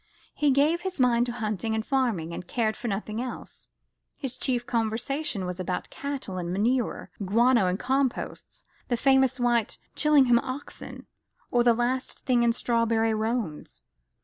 He gave his mind to hunting and farming, and cared for nothing else. His chief conversation was about cattle and manure, guano and composts, the famous white Chillingham oxen, or the last thing in strawberry roans.